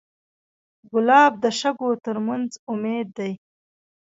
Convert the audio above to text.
ګلاب د شګو تر منځ امید دی.